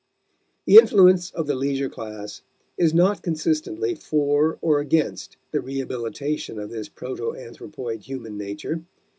The influence of the leisure class is not consistently for or against the rehabilitation of this proto anthropoid human nature.